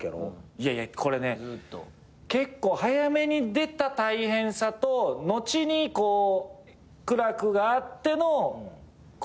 いやいやこれね結構早めに出た大変さと後にこう苦楽があっての売れる。